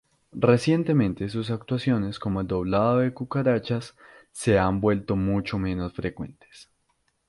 Recientemente, sus actuaciones, como el doblado de cucharas, se han vuelto mucho menos frecuentes.